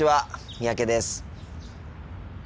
三宅です。